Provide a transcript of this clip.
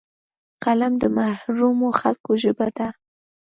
قلم د محرومو خلکو ژبه ده